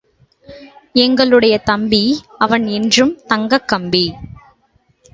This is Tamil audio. எங்களுடைய தம்பி—அவன் என்றும் தங்கக் கம்பி.